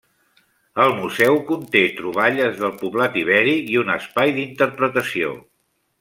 El museu conté troballes del poblat ibèric i un espai d'interpretació.